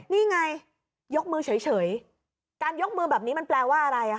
นี่ไงยกมือเฉยการยกมือแบบนี้มันแปลว่าอะไร